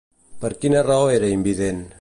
Per quina raó era invident?